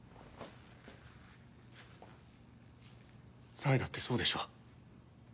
さえだってそうでしょ？